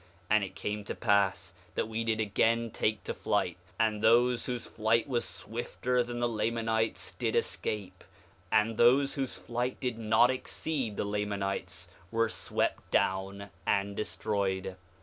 5:7 And it came to pass that we did again take to flight, and those whose flight was swifter than the Lamanites' did escape, and those whose flight did not exceed the Lamanites' were swept down and destroyed.